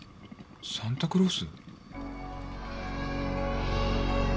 サンタクロース？